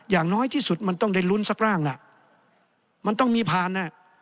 อย่างน้อยที่สุดมันต้องได้ลุ้นสักร่างน่ะมันต้องมีผ่านน่ะ